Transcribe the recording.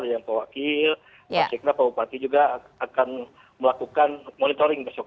yang pewakil masyarakat pak bupati juga akan melakukan monitoring besok